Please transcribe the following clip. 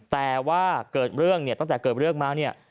แต่ว่าเกิดเรื่องเนี่ยตั้งแต่เกิดเรื่องมาเนี่ย